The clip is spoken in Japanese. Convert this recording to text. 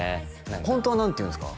ホントは何て言うんですか？